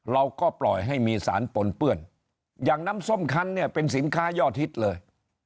เราก็ปล่อยให้มีสารปนเปื้อนอย่างน้ำส้มคันเนี่ยเป็นสินค้ายอดฮิตเลย